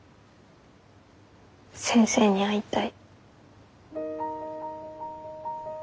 先生に会いたい。